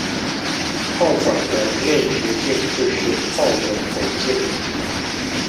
炮管的内直径就是炮的口径。